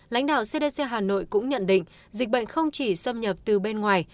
lãnh đạo cdc hà nội cũng nhận định dịch bệnh không chỉ xâm nhập từ bên ngoài